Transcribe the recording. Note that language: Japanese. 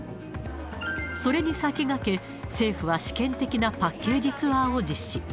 それに先駆け、政府は試験的なパッケージツアーを実施。